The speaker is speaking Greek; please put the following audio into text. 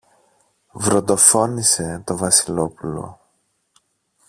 βροντοφώνησε το Βασιλόπουλο.